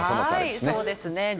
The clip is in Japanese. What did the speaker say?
はいそうですね。